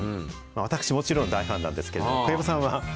私もちろん、大ファンなんですけども、小籔さんは？